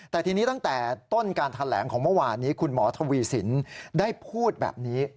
แต่ทีนี้ตั้งแต่ต้นการแถลงของเมื่อวานนี้คุณหมอทวีสินได้พูดแบบนี้